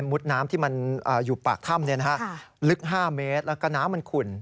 มุดน้ำที่มันอยู่ปากถ้ำเนี่ยนะคะลึกห้าเมตรแล้วก็น้ำมันขุ่น